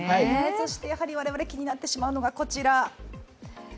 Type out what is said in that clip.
そして、我々気になってしまうのは、こちら。